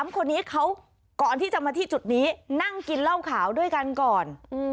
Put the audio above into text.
๓คนนี้เขาก่อนที่จะมาที่จุดนี้นั่งกินเหล้าขาวด้วยกันก่อน